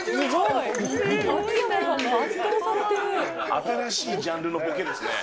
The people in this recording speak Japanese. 新しいジャンルのボケですね。